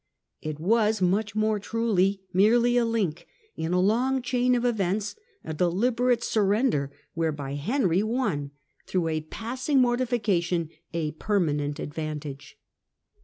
It was, much more truly, merely a link in a long cliain of events, a deliberate surrender, whereby Henry won, through a passing mortification, a permanent advantage.